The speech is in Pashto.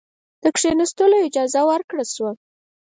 د کښېنستلو اجازه ورکړه شوه.